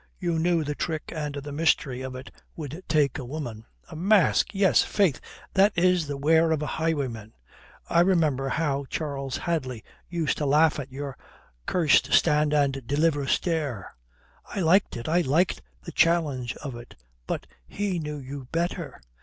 You knew the trick and the mystery of it would take a woman. A mask! Yes, faith, that is the wear for a highwayman. I remember how Charles Hadley used to laugh at your 'Curst stand and deliver stare.' I liked it, I liked the challenge of it. But he knew you better.